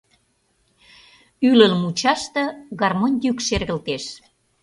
Ӱлыл мучаште гармонь йӱк шергылтеш.